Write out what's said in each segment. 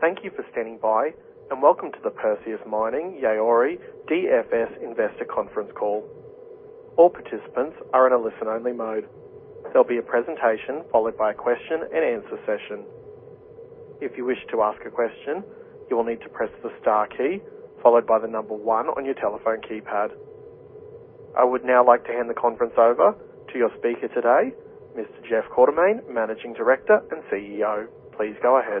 Thank you for standing by, and welcome to the Perseus Mining Yaouré DFS Investor Conference call. All participants are in a listen-only mode. There'll be a presentation followed by a question-and-answer session. If you wish to ask a question, you will need to press the star key followed by the number one on your telephone keypad. I would now like to hand the conference over to your speaker today, Mr. Jeff Quartermaine, Managing Director and CEO. Please go ahead.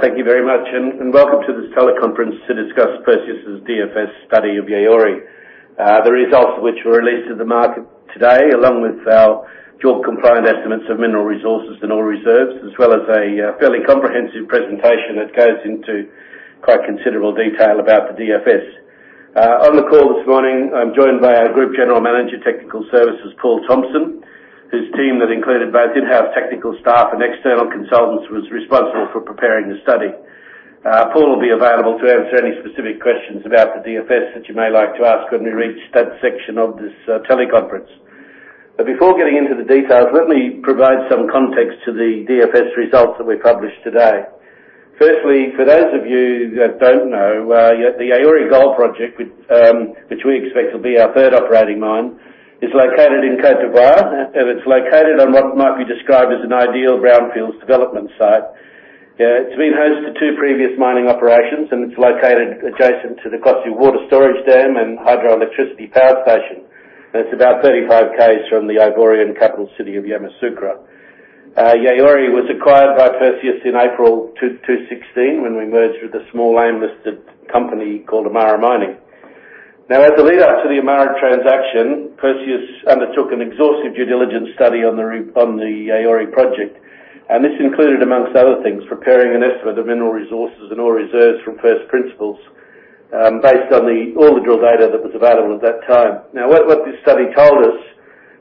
Thank you very much, and welcome to this teleconference to discuss Perseus' DFS study of Yaouré, the results of which were released to the market today, along with our JORC compliant estimates of mineral resources and ore reserves, as well as a fairly comprehensive presentation that goes into quite considerable detail about the DFS. On the call this morning, I'm joined by our Group General Manager, Technical Services, Paul Thompson, whose team that included both in-house technical staff and external consultants was responsible for preparing the study. Paul will be available to answer any specific questions about the DFS that you may like to ask when we reach that section of this teleconference. But before getting into the details, let me provide some context to the DFS results that we published today. Firstly, for those of you that don't know, the Yaouré Gold Project, which we expect will be our third operating mine, is located in Côte d'Ivoire, and it's located on what might be described as an ideal brownfields development site. It's been host to two previous mining operations, and it's located adjacent to the Kossou Water Storage Dam and Hydroelectricity Power Station. It's about 35 km from the Ivorian capital city of Yamoussoukro. Yaouré was acquired by Perseus in April 2016 when we merged with a small AIM-listed company called Amara Mining. Now, as a lead-up to the Amara transaction, Perseus undertook an exhaustive due diligence study on the Yaouré Project, and this included, amongst other things, preparing an estimate of mineral resources and ore reserves from first principles based on all the drill data that was available at that time. Now, what this study told us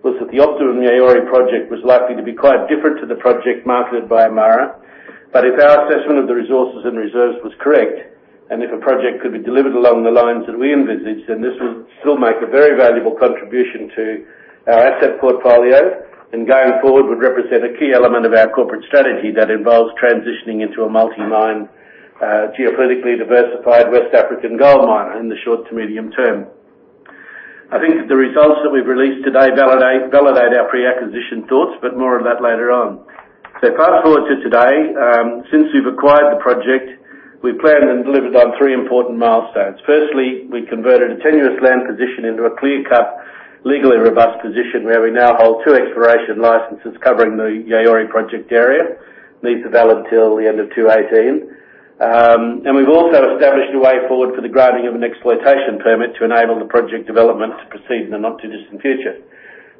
was that the optimum Yaouré Project was likely to be quite different to the project marketed by Amara, but if our assessment of the resources and reserves was correct, and if a project could be delivered along the lines that we envisaged, then this would still make a very valuable contribution to our asset portfolio and going forward would represent a key element of our corporate strategy that involves transitioning into a multi-mine, geopolitically diversified West African gold miner in the short to medium term. I think that the results that we've released today validate our pre-acquisition thoughts, but more of that later on. So, fast forward to today, since we've acquired the project, we've planned and delivered on three important milestones. Firstly, we converted a tenuous land position into a clear-cut, legally robust position where we now hold two exploration licenses covering the Yaouré Project area. These are valid till the end of 2018. And we've also established a way forward for the granting of an exploitation permit to enable the project development to proceed in the not-too-distant future.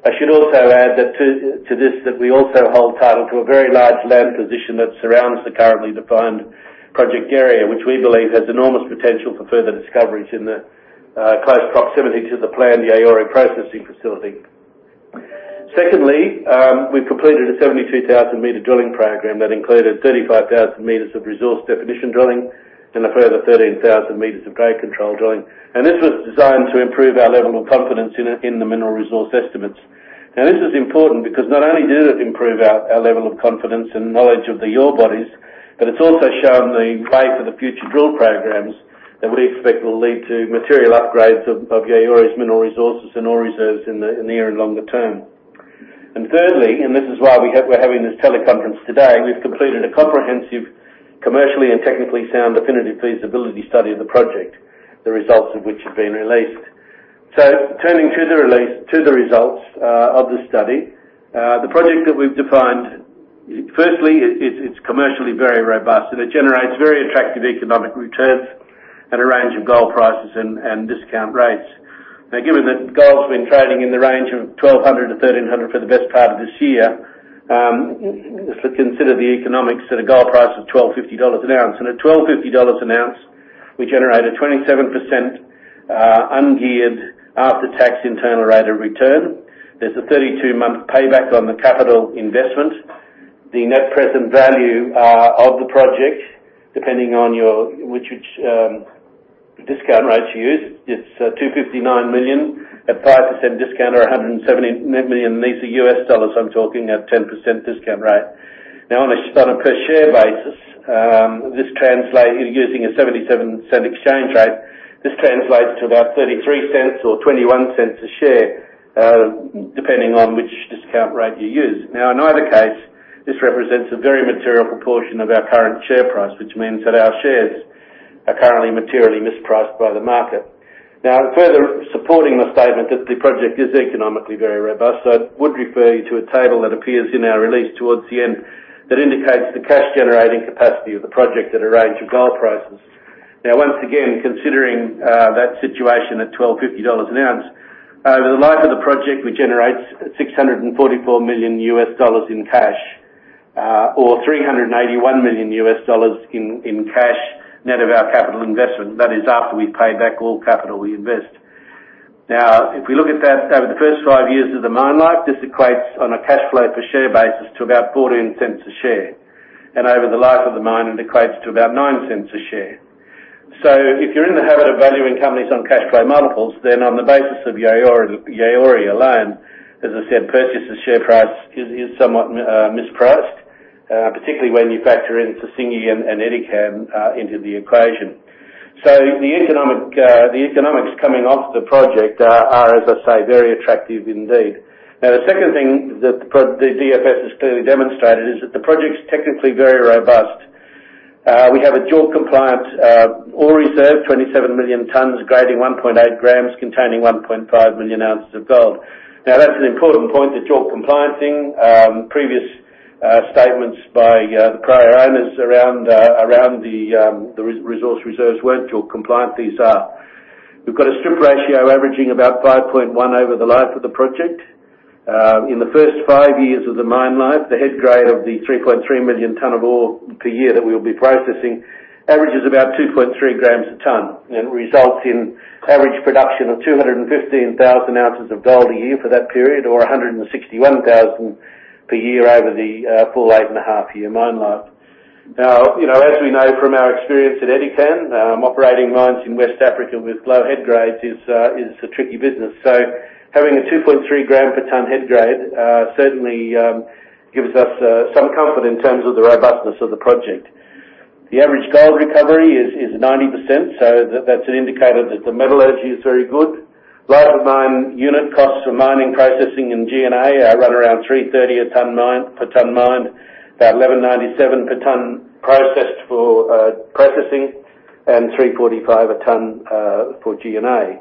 I should also add to this that we also hold title to a very large land position that surrounds the currently defined project area, which we believe has enormous potential for further discoveries in the close proximity to the planned Yaouré processing facility. Secondly, we've completed a 72,000-meter drilling program that included 35,000 meters of resource definition drilling and a further 13,000 meters of grade control drilling. And this was designed to improve our level of confidence in the mineral resource estimates. Now, this is important because not only did it improve our level of confidence and knowledge of the ore bodies, but it's also shown the way for the future drill programs that we expect will lead to material upgrades of Yaouré's mineral resources and ore reserves in the near and longer term. And thirdly, and this is why we're having this teleconference today, we've completed a comprehensive, commercially and technically sound definitive feasibility study of the project, the results of which have been released. So, turning to the results of the study, the project that we've defined, firstly, it's commercially very robust, and it generates very attractive economic returns at a range of gold prices and discount rates. Now, given that gold's been trading in the range of 1,200 to 1,300 for the best part of this year, consider the economics at a gold price of $1,250 an ounce. At $1,250 an ounce, we generate a 27% ungeared after-tax internal rate of return. There's a 32-month payback on the capital investment. The net present value of the project, depending on which discount rate you use, it's $259 million at 5% discount or $170 million. These are US dollars I'm talking at 10% discount rate. Now, on a per-share basis, using a 0.77 exchange rate, this translates to about 0.33 or 0.21 a share, depending on which discount rate you use. Now, in either case, this represents a very material proportion of our current share price, which means that our shares are currently materially mispriced by the market. Now, further supporting the statement that the project is economically very robust, I would refer you to a table that appears in our release towards the end that indicates the cash-generating capacity of the project at a range of gold prices. Now, once again, considering that situation at $1,250 an ounce, over the life of the project, we generate $644 million US dollars in cash or $381 million US dollars in cash net of our capital investment. That is after we've paid back all capital we invest. Now, if we look at that over the first five years of the mine life, this equates on a cash flow per share basis to about 0.14 a share. And over the life of the mine, it equates to about 0.09 a share. So, if you're in the habit of valuing companies on cash flow multiples, then on the basis of Yaouré alone, as I said, Perseus' share price is somewhat mispriced, particularly when you factor in Sissingué and Edikan into the equation. So, the economics coming off the project are, as I say, very attractive indeed. Now, the second thing that the DFS has clearly demonstrated is that the project's technically very robust. We have a JORC compliant ore reserve, 27 million tons grading 1.8 grams, containing 1.5 million ounces of gold. Now, that's an important point, the JORC compliancing. Previous statements by the prior owners around the resource reserves weren't JORC compliant. These are. We've got a strip ratio averaging about 5.1 over the life of the project. In the first five years of the mine life, the head grade of the 3.3 million tonne of ore per year that we will be processing averages about 2.3 grams a tonne. And it results in average production of 215,000 ounces of gold a year for that period, or 161,000 per year over the full eight and a half year mine life. Now, as we know from our experience at Edikan, operating mines in West Africa with low head grades is a tricky business. So, having a 2.3 gram per tonne head grade certainly gives us some comfort in terms of the robustness of the project. The average gold recovery is 90%, so that's an indicator that the metallurgy is very good. Life-of-mine unit costs for mining, processing, and G&A run around $330 per tonne mined, about $11.97 per tonne processed for processing, and $345 per tonne for G&A,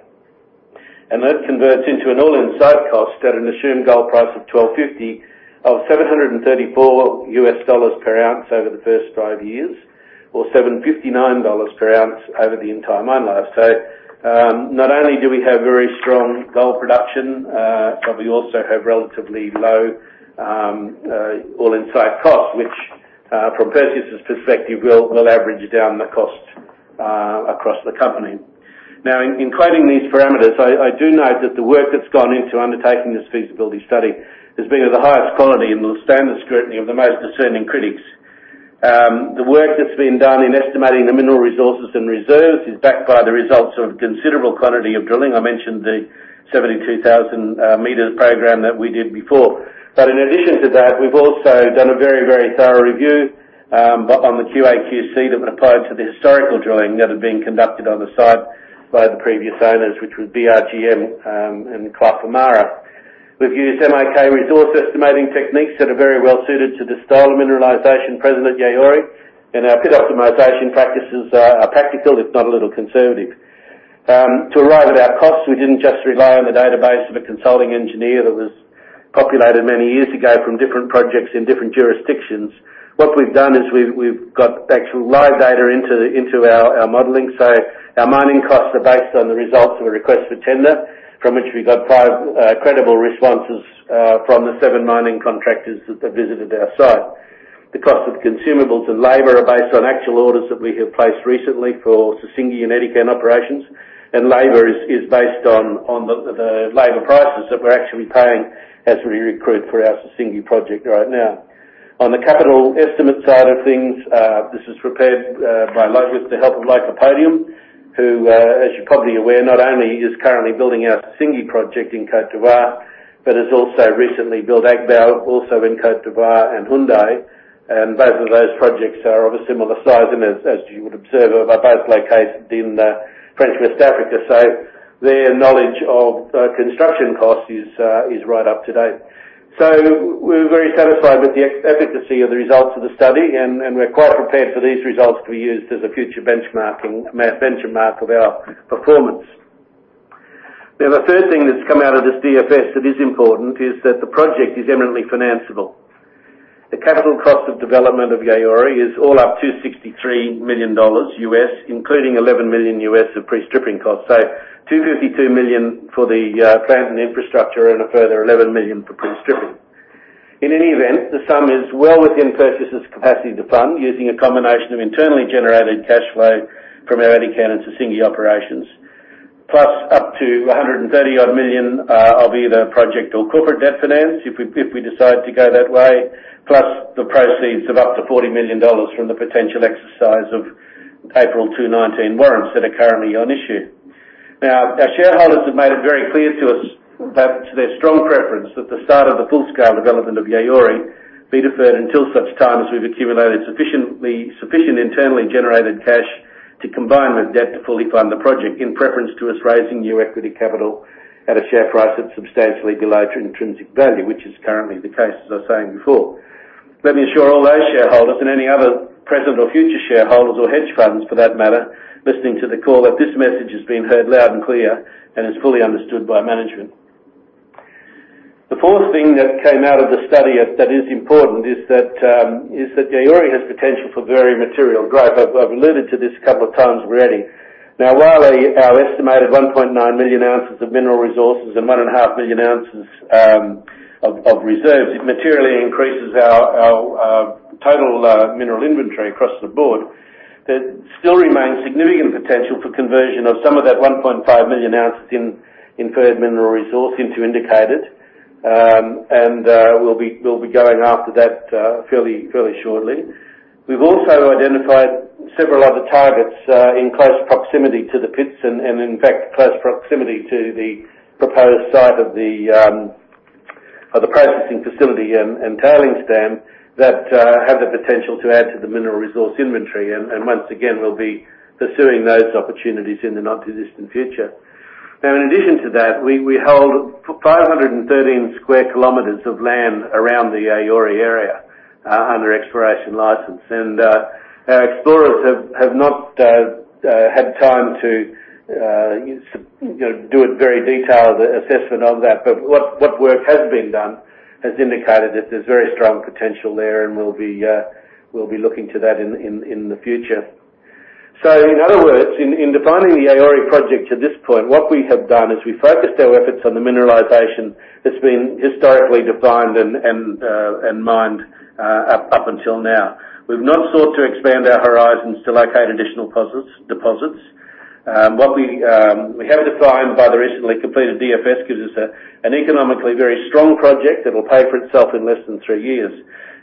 and that converts into an all-in sustaining cost at an assumed gold price of $1,250 of $734 per ounce over the first five years, or $759 per ounce over the entire mine life. Not only do we have very strong gold production, but we also have relatively low all-in sustaining costs, which from Perseus' perspective will average down the cost across the company. Now, in concluding these parameters, I do note that the work that's gone into undertaking this feasibility study has been of the highest quality and will stand the scrutiny of the most discerning critics. The work that's been done in estimating the mineral resources and reserves is backed by the results of a considerable quantity of drilling. I mentioned the 72,000-meter program that we did before. But in addition to that, we've also done a very, very thorough review on the QAQC that would apply to the historical drilling that had been conducted on the site by the previous owners, which was BRGM and Amara. We've used MIK resource estimating techniques that are very well suited to the style of mineralization present at Yaouré, and our pit optimization practices are practical, if not a little conservative. To arrive at our costs, we didn't just rely on the database of a consulting engineer that was populated many years ago from different projects in different jurisdictions. What we've done is we've got actual live data into our modeling. So, our mining costs are based on the results of a request for tender, from which we got five credible responses from the seven mining contractors that visited our site. The cost of consumables and labor are based on actual orders that we have placed recently for Sissingué and Edikan operations, and labor is based on the labor prices that we're actually paying as we recruit for our Sissingué project right now. On the capital estimate side of things, this is prepared by, with the help of Lycopodium, who, as you're probably aware, not only is currently building our Sissingué project in Côte d'Ivoire, but has also recently built Agbaou, also in Côte d'Ivoire, and Houndé. Both of those projects are of a similar size, and as you would observe, are both located in French West Africa, so we're very satisfied with the efficacy of the results of the study, and we're quite prepared for these results to be used as a future benchmark of our performance. Now, the third thing that's come out of this DFS that is important is that the project is eminently financeable. The capital cost of development of Yaouré is all up to $63 million, including $11 million of pre-stripping costs. So, $252 million for the plant and infrastructure and a further $11 million for pre-stripping. In any event, the sum is well within Perseus' capacity to fund using a combination of internally generated cash flow from our Edikan and Sissingué operations, plus up to 130-odd million of either project or corporate debt finance if we decide to go that way, plus the proceeds of up to $40 million from the potential exercise of April 2019 warrants that are currently on issue. Now, our shareholders have made it very clear to us that it's their strong preference that the start of the full-scale development of Yaouré be deferred until such time as we've accumulated sufficient internally generated cash to combine with debt to fully fund the project, in preference to us raising new equity capital at a share price that's substantially below intrinsic value, which is currently the case, as I was saying before. Let me assure all those shareholders and any other present or future shareholders or hedge funds, for that matter, listening to the call, that this message has been heard loud and clear and is fully understood by management. The fourth thing that came out of the study that is important is that Yaouré has potential for very material growth. I've alluded to this a couple of times already. Now, while our estimated 1.9 million ounces of mineral resources and 1.5 million ounces of reserves materially increases our total mineral inventory across the board, there still remains significant potential for conversion of some of that 1.5 million ounces inferred mineral resource into indicated, and we'll be going after that fairly shortly. We've also identified several other targets in close proximity to the pits and, in fact, close proximity to the proposed site of the processing facility and tailing stand that have the potential to add to the mineral resource inventory. And once again, we'll be pursuing those opportunities in the not-too-distant future. Now, in addition to that, we hold 513 square kilometers of land around the Yaouré area under exploration license. Our explorers have not had time to do a very detailed assessment of that, but what work has been done has indicated that there's very strong potential there and we'll be looking to that in the future. In other words, in defining the Yaouré project to this point, what we have done is we've focused our efforts on the mineralization that's been historically defined and mined up until now. We've not sought to expand our horizons to locate additional deposits. What we have defined by the recently completed DFS gives us an economically very strong project that will pay for itself in less than three years.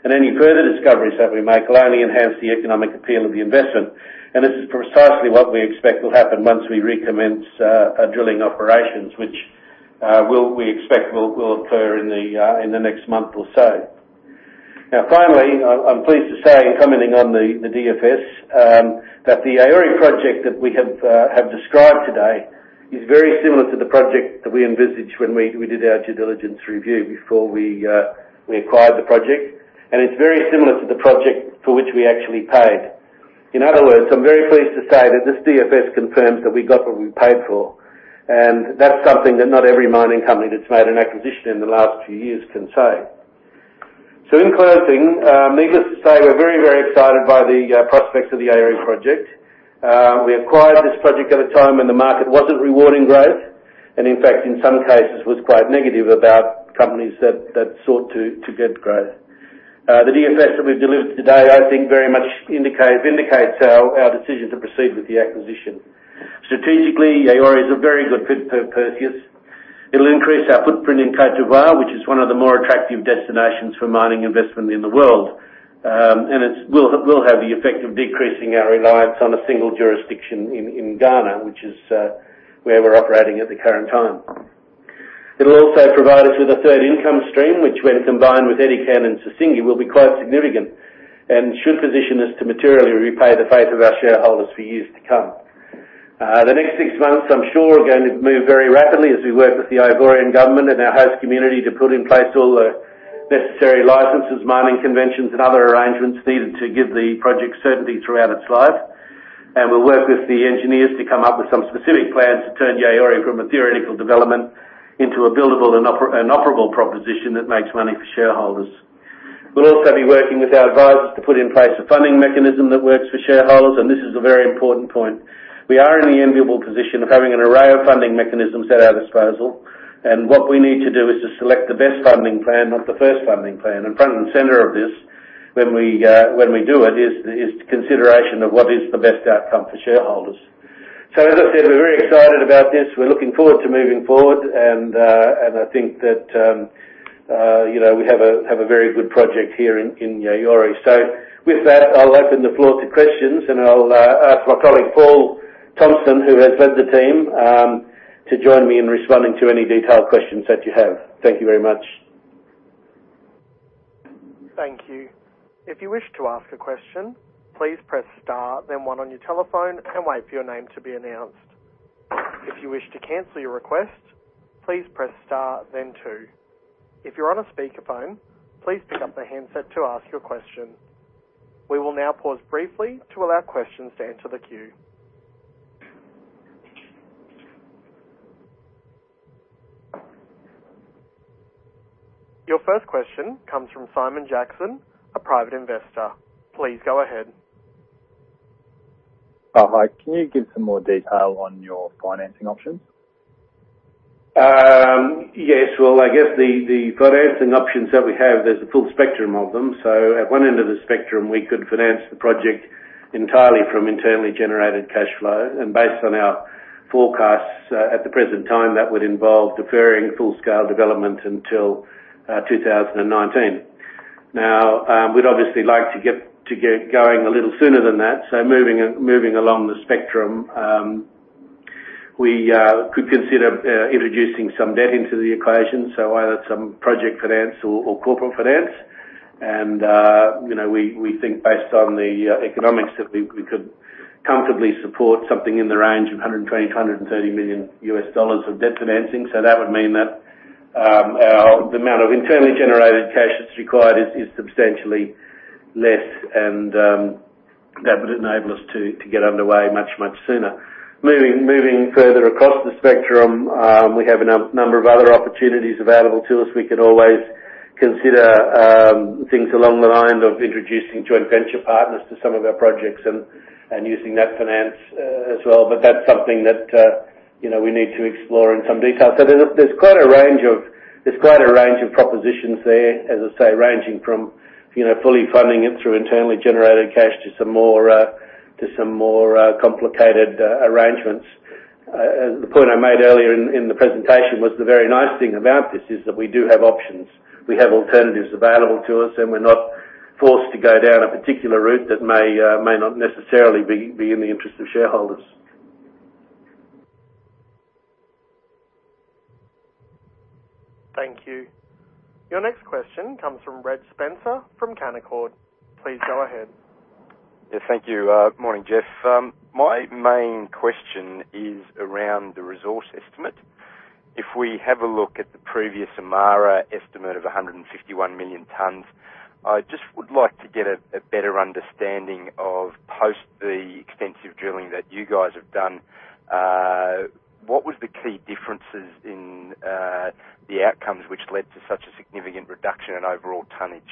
Any further discoveries that we make will only enhance the economic appeal of the investment. This is precisely what we expect will happen once we recommence drilling operations, which we expect will occur in the next month or so. Now, finally, I'm pleased to say, commenting on the DFS, that the Yaouré project that we have described today is very similar to the project that we envisaged when we did our due diligence review before we acquired the project. It's very similar to the project for which we actually paid. In other words, I'm very pleased to say that this DFS confirms that we got what we paid for. That's something that not every mining company that's made an acquisition in the last few years can say. In closing, needless to say, we're very, very excited by the prospects of the Yaouré project. We acquired this project at a time when the market wasn't rewarding growth and, in fact, in some cases, was quite negative about companies that sought to get growth. The DFS that we've delivered today, I think, very much indicates our decision to proceed with the acquisition. Strategically, Yaouré is a very good fit for Perseus. It'll increase our footprint in Côte d'Ivoire, which is one of the more attractive destinations for mining investment in the world. And it will have the effect of decreasing our reliance on a single jurisdiction in Ghana, which is where we're operating at the current time. It'll also provide us with a third income stream, which, when combined with Edikan and Sissingué, will be quite significant and should position us to materially reward the faith of our shareholders for years to come. The next six months, I'm sure, are going to move very rapidly as we work with the Ivorian government and our host community to put in place all the necessary licenses, mining conventions, and other arrangements needed to give the project certainty throughout its life. And we'll work with the engineers to come up with some specific plans to turn Yaouré from a theoretical development into a buildable and operable proposition that makes money for shareholders. We'll also be working with our advisors to put in place a funding mechanism that works for shareholders, and this is a very important point. We are in the enviable position of having an array of funding mechanisms at our disposal. And what we need to do is to select the best funding plan, not the first funding plan. Front and centre of this, when we do it, is consideration of what is the best outcome for shareholders. So, as I said, we're very excited about this. We're looking forward to moving forward, and I think that we have a very good project here in Yaouré. So, with that, I'll open the floor to questions, and I'll ask my colleague Paul Thompson, who has led the team, to join me in responding to any detailed questions that you have. Thank you very much. Thank you. If you wish to ask a question, please press Star, then 1 on your telephone, and wait for your name to be announced. If you wish to cancel your request, please press Star, then 2. If you're on a speakerphone, please pick up the handset to ask your question. We will now pause briefly to allow questions to enter the queue. Your first question comes from Simon Jackson, a private investor. Please go ahead. Hi. Can you give some more detail on your financing options? Yes. Well, I guess the financing options that we have, there's a full spectrum of them. So, at one end of the spectrum, we could finance the project entirely from internally generated cash flow. And based on our forecasts at the present time, that would involve deferring full-scale development until 2019. Now, we'd obviously like to get going a little sooner than that. So, moving along the spectrum, we could consider introducing some debt into the equation, so either some project finance or corporate finance. And we think, based on the economics, that we could comfortably support something in the range of $120-$130 million of debt financing. So, that would mean that the amount of internally generated cash that's required is substantially less, and that would enable us to get underway much, much sooner. Moving further across the spectrum, we have a number of other opportunities available to us. We could always consider things along the line of introducing joint venture partners to some of our projects and using that finance as well. But that's something that we need to explore in some detail. So, there's quite a range of propositions there, as I say, ranging from fully funding it through internally generated cash to some more complicated arrangements. The point I made earlier in the presentation was the very nice thing about this is that we do have options. We have alternatives available to us, and we're not forced to go down a particular route that may not necessarily be in the interest of shareholders. Thank you. Your next question comes from Reg Spencer from Canaccord. Please go ahead. Yes. Thank you. Good morning, Jeff. My main question is around the resource estimate. If we have a look at the previous Amara estimate of 151 million tonnes, I just would like to get a better understanding of, post the extensive drilling that you guys have done, what were the key differences in the outcomes which led to such a significant reduction in overall tonnage?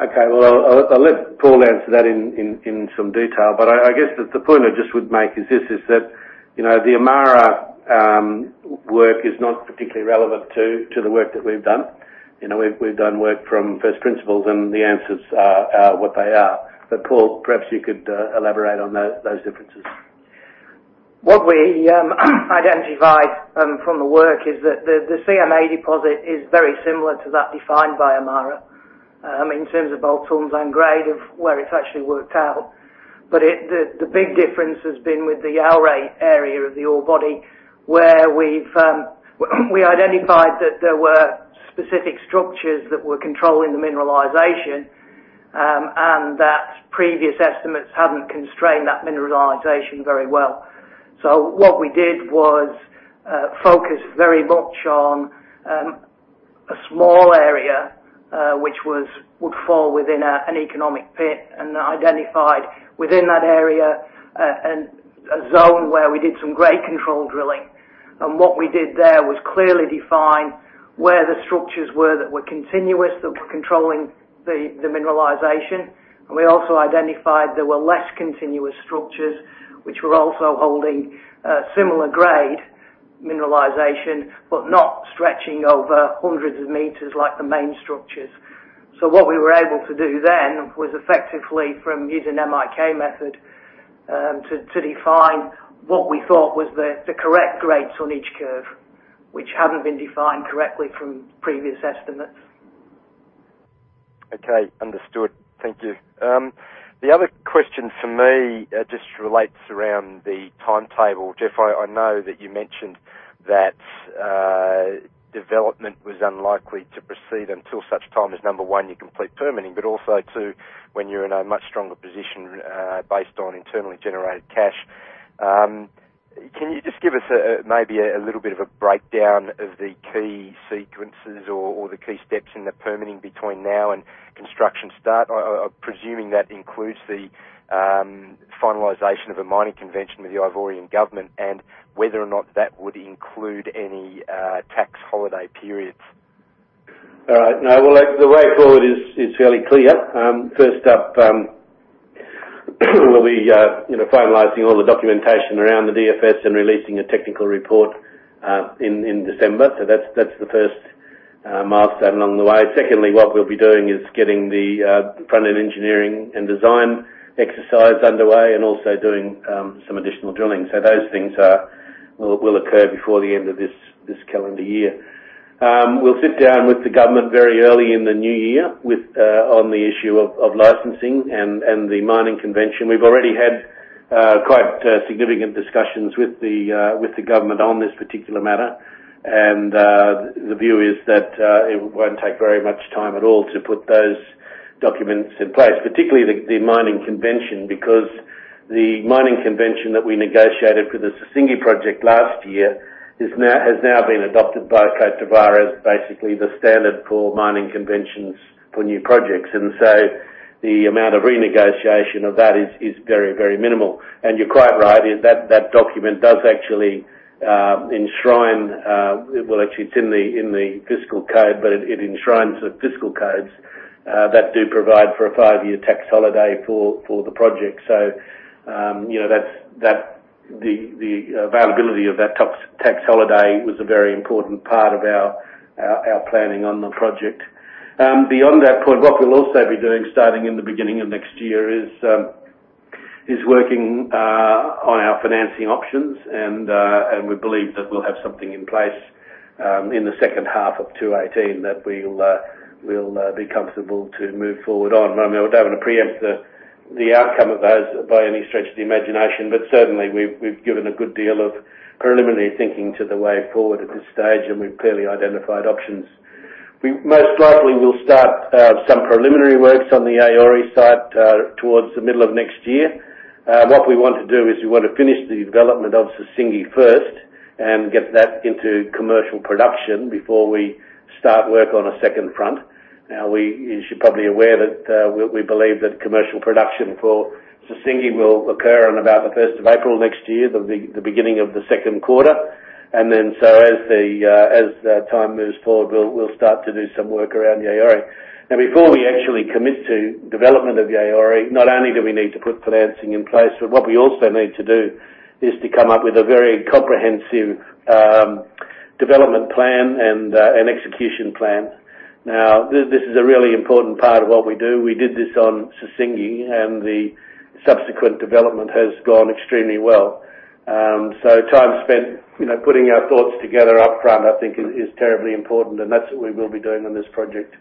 Okay, well, I'll let Paul answer that in some detail. But I guess the point I just would make is this: the Amara work is not particularly relevant to the work that we've done. We've done work from first principles, and the answers are what they are. But Paul, perhaps you could elaborate on those differences. What we identified from the work is that the CMA deposit is very similar to that defined by Amara in terms of both size and grade of where it's actually worked out. But the big difference has been with the CMA area of the ore body, where we identified that there were specific structures that were controlling the mineralization and that previous estimates hadn't constrained that mineralization very well. So, what we did was focus very much on a small area which would fall within an economic pit, and identified within that area a zone where we did some grade control drilling. And what we did there was clearly define where the structures were that were continuous, that were controlling the mineralization. And we also identified there were less continuous structures which were also holding similar grade mineralization but not stretching over hundreds of meters like the main structures. What we were able to do then was effectively from using MIK method to define what we thought was the correct grade tonnage curve, which hadn't been defined correctly from previous estimates. Okay. Understood. Thank you. The other question for me just relates around the timetable. Jeff, I know that you mentioned that development was unlikely to proceed until such time as, number one, you complete permitting, but also, two, when you're in a much stronger position based on internally generated cash. Can you just give us maybe a little bit of a breakdown of the key sequences or the key steps in the permitting between now and construction start? I'm presuming that includes the finalization of a mining convention with the Ivorian government and whether or not that would include any tax holiday periods. All right. No. Well, the way forward is fairly clear. First up, we'll be finalizing all the documentation around the DFS and releasing a technical report in December. So, that's the first milestone along the way. Secondly, what we'll be doing is getting the front-end engineering and design exercise underway and also doing some additional drilling. So, those things will occur before the end of this calendar year. We'll sit down with the government very early in the new year on the issue of licensing and the mining convention. We've already had quite significant discussions with the government on this particular matter. And the view is that it won't take very much time at all to put those documents in place, particularly the mining convention, because the mining convention that we negotiated for the Sissingué project last year has now been adopted by Côte d'Ivoire as basically the standard for mining conventions for new projects. And so, the amount of renegotiation of that is very, very minimal. And you're quite right. That document does actually enshrine, well, actually, it's in the fiscal code, but it enshrines the fiscal codes that do provide for a five-year tax holiday for the project. So, the availability of that tax holiday was a very important part of our planning on the project. Beyond that point, what we'll also be doing, starting in the beginning of next year, is working on our financing options. We believe that we'll have something in place in the second half of 2018 that we'll be comfortable to move forward on. I mean, we don't want to preempt the outcome of those by any stretch of the imagination, but certainly, we've given a good deal of preliminary thinking to the way forward at this stage, and we've clearly identified options. We most likely will start some preliminary works on the Yaouré side towards the middle of next year. What we want to do is we want to finish the development of Sissingué first and get that into commercial production before we start work on a second front. Now, you should probably be aware that we believe that commercial production for Sissingué will occur on about the first of April next year, the beginning of the second quarter. As the time moves forward, we'll start to do some work around Yaouré. Now, before we actually commit to development of Yaouré, not only do we need to put financing in place, but what we also need to do is to come up with a very comprehensive development plan and execution plan. Now, this is a really important part of what we do. We did this on Sissingué, and the subsequent development has gone extremely well. So, time spent putting our thoughts together upfront, I think, is terribly important, and that's what we will be doing on this project.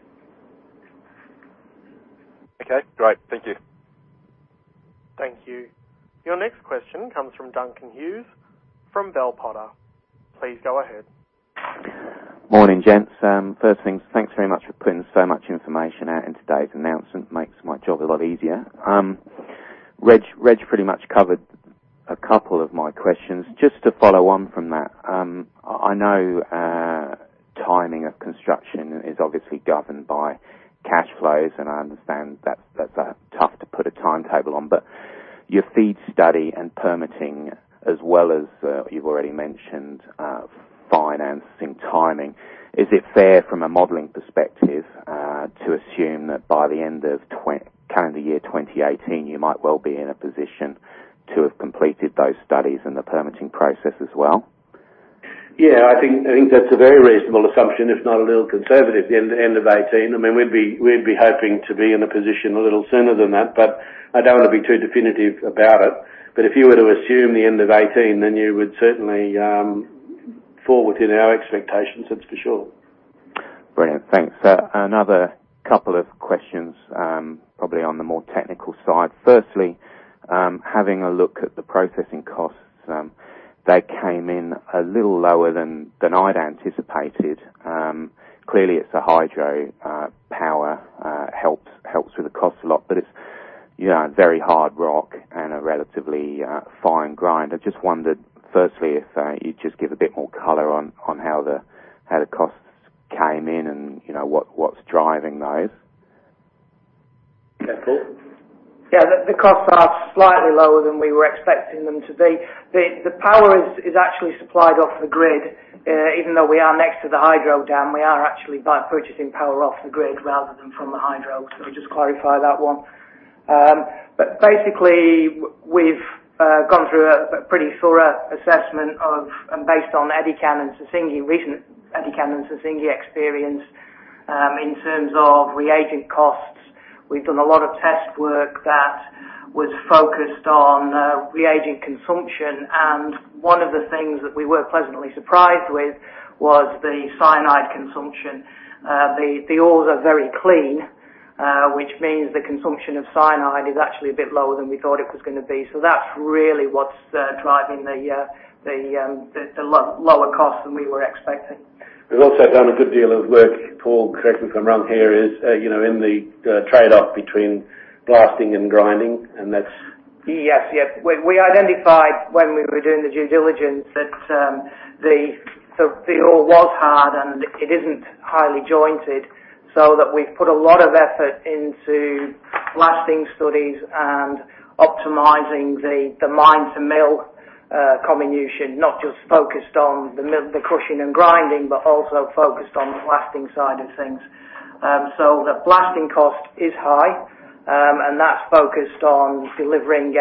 Okay. Great. Thank you. Thank you. Your next question comes from Duncan Hughes from Bell Potter. Please go ahead. Morning, gents. First thing is, thanks very much for putting so much information out in today's announcement. It makes my job a lot easier. Reg pretty much covered a couple of my questions. Just to follow on from that, I know timing of construction is obviously governed by cash flows, and I understand that's tough to put a timetable on. But your feasibility study and permitting, as well as you've already mentioned financing timing, is it fair from a modeling perspective to assume that by the end of calendar year 2018, you might well be in a position to have completed those studies and the permitting process as well? Yeah. I think that's a very reasonable assumption, if not a little conservative, at the end of 2018. I mean, we'd be hoping to be in a position a little sooner than that, but I don't want to be too definitive about it. But if you were to assume the end of 2018, then you would certainly fall within our expectations, that's for sure. Brilliant. Thanks. Another couple of questions, probably on the more technical side. Firstly, having a look at the processing costs, they came in a little lower than I'd anticipated. Clearly, it's a hydro power. It helps with the cost a lot, but it's very hard rock and a relatively fine grind. I just wondered, firstly, if you'd just give a bit more colour on how the costs came in and what's driving those. Yeah. Paul? Yeah. The costs are slightly lower than we were expecting them to be. The power is actually supplied off the grid. Even though we are next to the hydro dam, we are actually purchasing power off the grid rather than from the hydro, so just clarify that one. But basically, we've gone through a pretty thorough assessment based on recent Edikan's and Sissingué experience in terms of reagent costs. We've done a lot of test work that was focused on reagent consumption. And one of the things that we were pleasantly surprised with was the cyanide consumption. The ores are very clean, which means the consumption of cyanide is actually a bit lower than we thought it was going to be. So, that's really what's driving the lower cost than we were expecting. We've also done a good deal of work (Paul, correct me if I'm wrong here) in the trade-off between blasting and grinding, and that's. Yes. Yes. We identified when we were doing the due diligence that the ore was hard and it isn't highly jointed, so that we've put a lot of effort into blasting studies and optimizing the mine-to-mill comminution, not just focused on the crushing and grinding but also focused on the blasting side of things. So, the blasting cost is high, and that's focused on delivering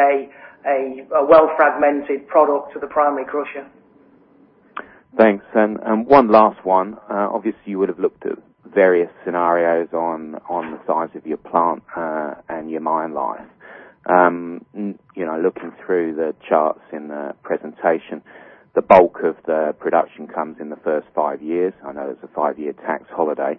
a well-fragmented product to the primary crusher. Thanks. And one last one. Obviously, you would have looked at various scenarios on the size of your plant and your mine life. Looking through the charts in the presentation, the bulk of the production comes in the first five years. I know there's a five-year tax holiday.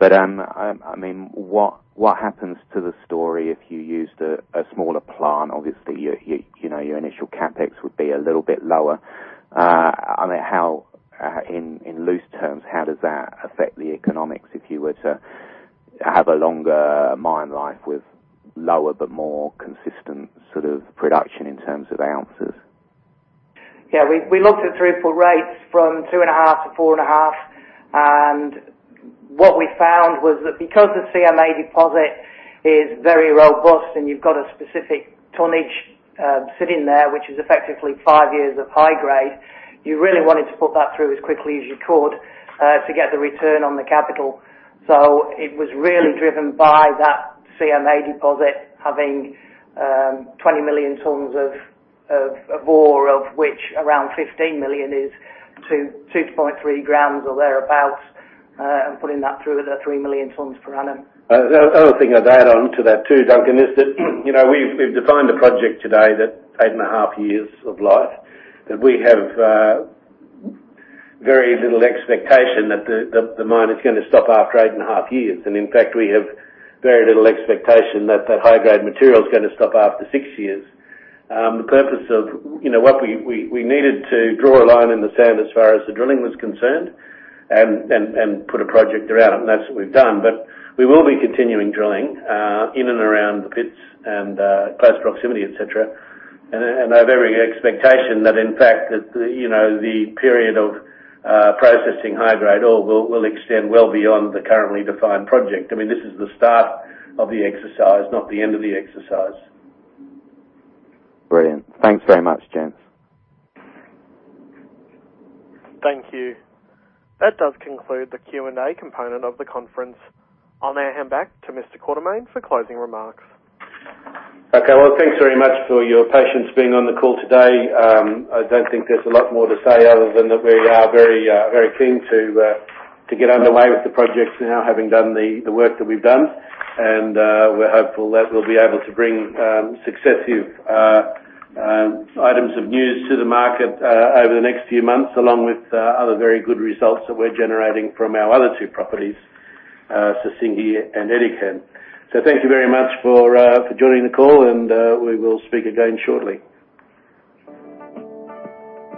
But I mean, what happens to the story if you used a smaller plant? Obviously, your initial CapEx would be a little bit lower. I mean, in loose terms, how does that affect the economics if you were to have a longer mine life with lower but more consistent sort of production in terms of ounces? Yeah. We looked at throughput rates from two and a half to four and a half. And what we found was that because the CMA deposit is very robust and you've got a specific tonnage sitting there, which is effectively five years of high grade, you really wanted to put that through as quickly as you could to get the return on the capital. So, it was really driven by that CMA deposit having 20 million tonnes of ore, of which around 15 million is 2.3 grammes or thereabouts, and putting that through at the 3 million tonnes per annum. The other thing I'd add on to that too, Duncan, is that we've defined a project today that's eight and a half years of life, that we have very little expectation that the mine is going to stop after eight and a half years. And in fact, we have very little expectation that that high-grade material is going to stop after six years. The purpose of what we needed to draw a line in the sand as far as the drilling was concerned and put a project around it, and that's what we've done. But we will be continuing drilling in and around the pits and close proximity, etc., and have every expectation that, in fact, the period of processing high-grade ore will extend well beyond the currently defined project. I mean, this is the start of the exercise, not the end of the exercise. Brilliant. Thanks very much, gents. Thank you. That does conclude the Q&A component of the conference. I'll now hand back to Mr. Quartermaine for closing remarks. Okay. Well, thanks very much for your patience being on the call today. I don't think there's a lot more to say other than that we are very keen to get underway with the projects now, having done the work that we've done. And we're hopeful that we'll be able to bring successive items of news to the market over the next few months, along with other very good results that we're generating from our other two properties, Sissingué and Edikan. So, thank you very much for joining the call, and we will speak again shortly.